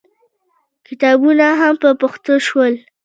کتابونه هم په پښتو شول.